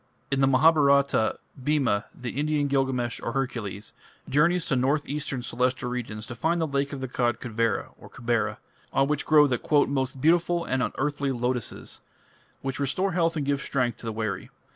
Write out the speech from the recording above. In the Mahabharata, Bhima, the Indian Gilgamesh or Hercules, journeys to north eastern Celestial regions to find the lake of the god Kuvera (Kubera), on which grow the "most beautiful and unearthly lotuses", which restore health and give strength to the weary.